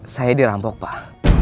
saya dirampok pak